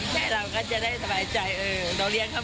ไม่ได้เล่นค่ะ